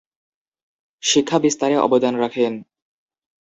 শিক্ষা বিস্তারে অবদান রাখেন।